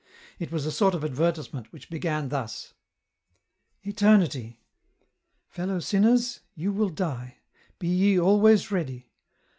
It was a sort of advertisement which began thus :" Eternity. " Fellow sinners, you will die. Be ye always ready.